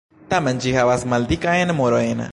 Tamen ĝi havas maldikajn murojn.